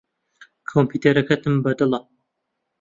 کۆمپیوتەرەکەتم بەدڵە.